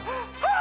あ！